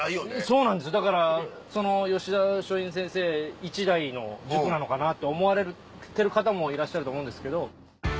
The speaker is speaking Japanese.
そうなんですよだからその吉田松陰先生１代の塾なのかなと思われてる方もいらっしゃると思うんですけど。